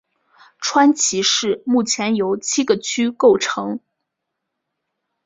川崎市目前由七个区构成。